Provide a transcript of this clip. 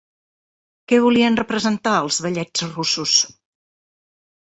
Què volien representar els Ballets Russos?